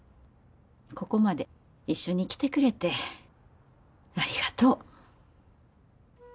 ここまで一緒に来てくれてありがとう。